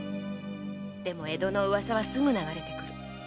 でも江戸の噂はすぐ流れてくる。